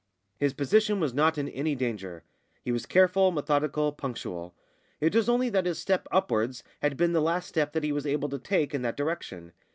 His position was not in any danger. He was careful, methodical, punctual. It was only that his step upwards had been the last step that he was able to take in that direction.